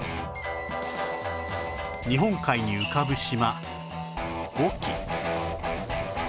日本海に浮かぶ島隠岐